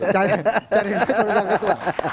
cari urusan ketua